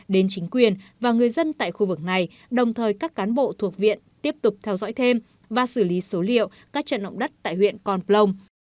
đến chính quyền và người dân tại khu vực này đồng thời các cán bộ thuộc viện tiếp tục theo dõi thêm và xử lý số liệu các trận động đất tại huyện con plong